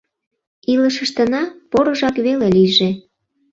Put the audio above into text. илышыштына порыжак веле лийже.